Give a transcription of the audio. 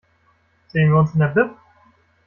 Sehen wir uns in der Bib?